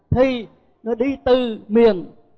thì nó đi từ miền